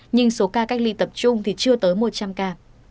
nhưng số ca cách ly tập trung thì chưa tới một trăm linh ca